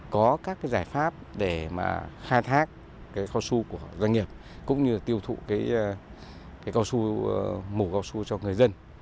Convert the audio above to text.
có các giải pháp để khai thác cao su của doanh nghiệp cũng như tiêu thụ mủ cao su cho người dân